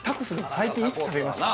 最近いつ食べました？